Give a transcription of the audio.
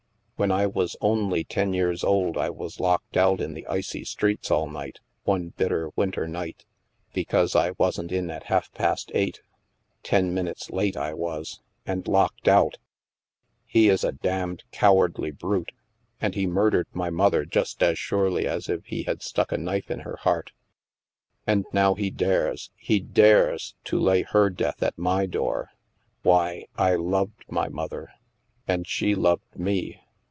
When I was only ten years old I was locked out in the icy streets all night, one bitter winter night, be cause I wasn't in at half past eight. Ten minutes late I was ! And locked out ! He is a damned cow ardly brute, and he murdered my mother just as surely as if he had stuck a knife in her heart. And now he dares — he dares — to lay her death at my door. Why, I loved my mother. And she loved me.